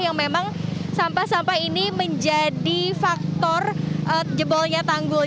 yang memang sampah sampah ini menjadi faktor jebolnya tanggul